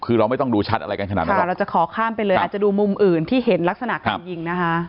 คือเราไม่ต้องดูชัดอะไรกันขนาดนั้นแต่เราจะขอข้ามไปเลยอาจจะดูมุมอื่นที่เห็นลักษณะการยิงนะคะ